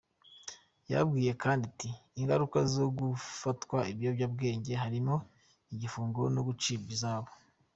Yababwiye kandi ati :"Ingaruka zo gufatanwa ibiyobyabwenge harimo igifungo no gucibwa ihazabu.